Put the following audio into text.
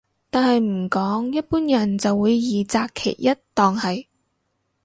但係唔講一般人就會二擇其一當係